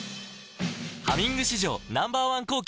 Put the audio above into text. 「ハミング」史上Ｎｏ．１抗菌